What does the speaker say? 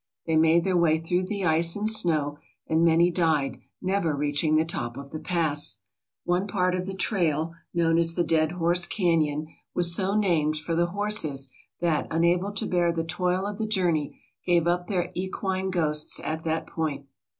They made their way through the ice and snow, and many died, never reaching the top of the pass. One part of the trail, known as the Dead Horse Canyon, was so no OVER THE GOLD SEEKERS' TRAIL named for the horses that, unable to bear the toil of the journey, gave up their equine ghosts at that point.